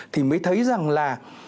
thì mới thấy rằng là